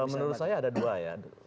menurut saya ada dua ya